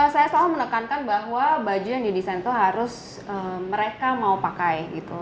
saya selalu menekankan bahwa baju yang didesain itu harus mereka mau pakai gitu